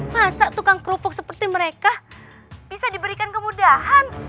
masa tukang kerupuk seperti mereka bisa diberikan kemudahan